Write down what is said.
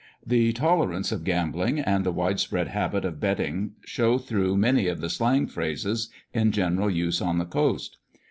The tolerance of gambling and the wide spread habit of betting show through many of the slang phrases in general use on the coast.